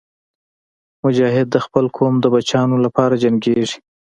مجاهد د خپل قوم د بچیانو لپاره جنګېږي.